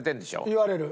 言われる。